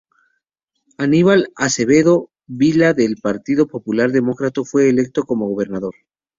Aníbal Acevedo Vilá del Partido Popular Democrático fue electo como gobernador.